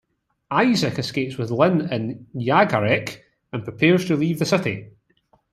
Isaac escapes with Lin and Yagharek and prepares to leave the city.